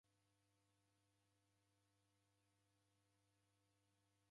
W'aka w'atini w'adakaba w'omi.